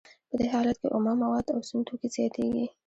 په دې حالت کې اومه مواد او سون توکي زیاتېږي